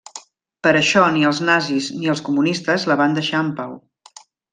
Per això ni els nazis ni els comunistes la van deixar en pau.